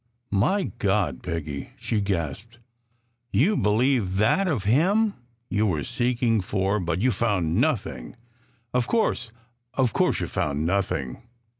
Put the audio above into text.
"My God, Peggy!" she gasped. "You believe that of him? You were seeking for but you found nothing. Of course of course you found nothing!"